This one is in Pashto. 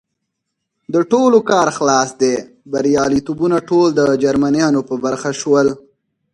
د ټولو کار خلاص دی، بریالیتوبونه ټول د جرمنیانو په برخه شول.